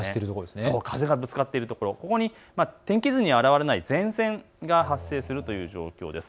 風がぶつかっている所、ここに天気図には表れない前線が発生するという状況です。